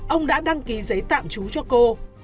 ông đã đăng ký giấy tạm chú cho cô